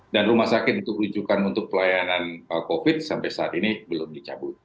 dan rumah sakit untuk ujukan untuk pelayanan covid sembilan belas sampai saat ini belum dicabut